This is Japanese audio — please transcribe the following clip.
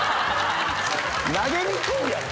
投げにくいやろ。